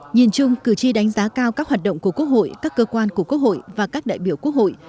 nhìn chung cử tri đánh giá cao các hoạt động của quốc hội các cơ quan của quốc hội và các đại biểu quốc hội